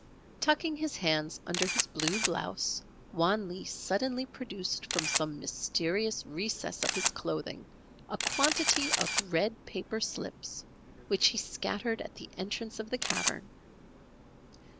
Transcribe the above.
] Tucking his hands under his blue blouse, Wan Lee suddenly produced from some mysterious recess of his clothing a quantity of red paper slips which he scattered at the entrance of the cavern.